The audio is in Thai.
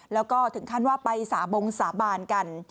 แล้วก็ถึงขั้นว่าไปสาบงสาบานกัน